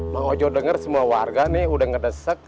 mak ojo denger semua warga nih udah ngedesek